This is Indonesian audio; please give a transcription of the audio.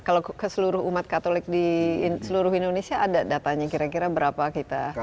kalau ke seluruh umat katolik di seluruh indonesia ada datanya kira kira berapa kita